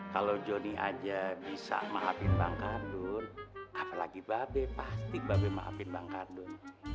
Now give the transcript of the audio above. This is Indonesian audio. kalau joni aja bisa maafin bang kardun apalagi babe pasti babe maafin bang kardun